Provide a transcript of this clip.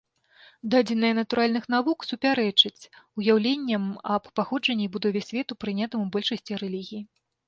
Дадзеныя натуральных навук супярэчаць уяўленням аб паходжанні і будове свету, прынятым у большасці рэлігій.